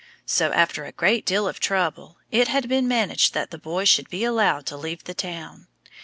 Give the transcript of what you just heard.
So, after a great deal of trouble, it had been managed that the boy should be allowed to leave the town.